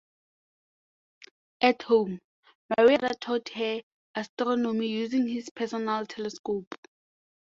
At home, Maria's father taught her astronomy using his personal telescope.